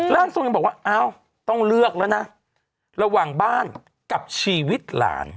ร่างทรงยังบอกว่าอ้าวต้องเลือกแล้วนะระหว่างบ้านกับชีวิตหลาน